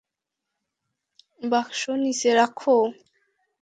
বাক্স নিচে রাখো।